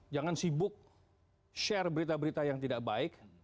jangan sibuk share berita berita yang tidak baik